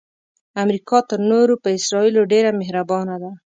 امریکا تر نورو په اسراییلو ډیره مهربانه ده.